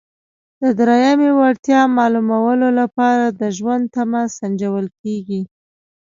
د دریمې وړتیا معلومولو لپاره د ژوند تمه سنجول کیږي.